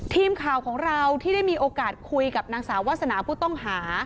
ทีมข่าวของเราที่ได้มีโอกาสคุยกับนางสาววาสนาผู้ต้องหา